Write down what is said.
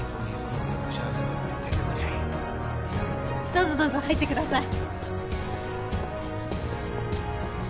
どうぞどうぞ入ってください